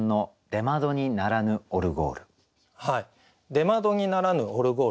「出窓にならぬオルゴール」ですね。